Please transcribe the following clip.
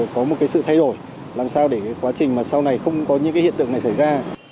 có một cái sự thay đổi làm sao để quá trình mà sau này không có những hiện tượng này xảy ra